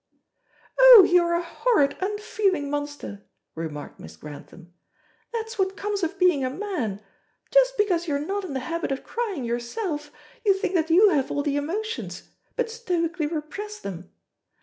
"Oh, you are a horrid, unfeeling monster," remarked Miss Grantham; "that's what comes of being a man. Just because you are not in the habit of crying yourself, you think that you have all the emotions, but stoically repress them.